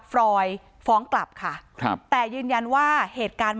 ที่โพสต์ก็คือเพื่อต้องการจะเตือนเพื่อนผู้หญิงในเฟซบุ๊คเท่านั้นค่ะ